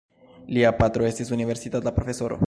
Lia patro estis universitata profesoro.